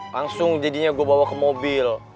langsung jadinya gue bawa ke mobil